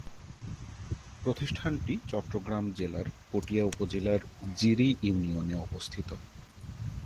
প্রতিষ্ঠানটি চট্টগ্রাম জেলার পটিয়া উপজেলার জিরি ইউনিয়নে অবস্থিত।